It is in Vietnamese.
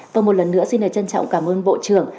và một lần nữa xin lời trân trọng cảm ơn bộ trưởng